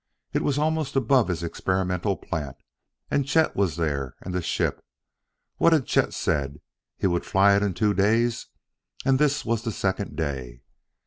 it was almost above his experimental plant! And Chet was there, and the ship.... What had Chet said? He would fly it in two days and this was the second day!